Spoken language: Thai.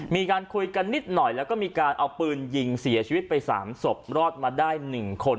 มีการคุยกันนิดหน่อยแล้วก็มีการเอาปืนยิงเสียชีวิตไป๓ศพรอดมาได้๑คน